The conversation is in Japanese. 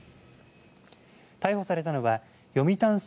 逮捕されたのは読谷村